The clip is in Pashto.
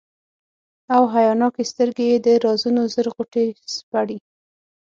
او حیاناکي سترګي یې د رازونو زر غوټي سپړي،